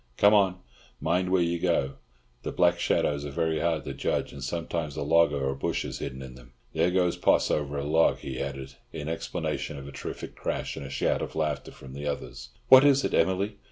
Come on! Mind where you go. The black shadows are very hard to judge, and sometimes a log or a bush is hidden in them. There goes Poss over a log," he added, in explanation of a terrific crash and a shout of laughter from the others. "What is it, Emily?"